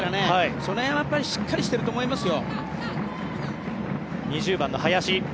その辺はしっかりしていると思いますよ。